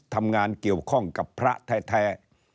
ทำงานเกี่ยวข้องกับพระแท้